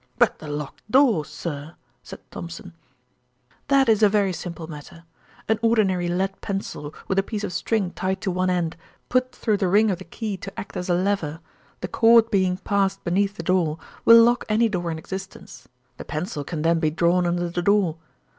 "But the locked door, sir," said Thompson. "That is a very simple matter. An ordinary lead pencil, with a piece of string tied to one end, put through the ring of the key to act as a lever, the cord being passed beneath the door, will lock any door in existence. The pencil can then be drawn under the door.